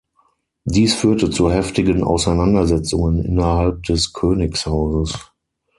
Dies führte zu heftigen Auseinandersetzungen innerhalb des Königshauses.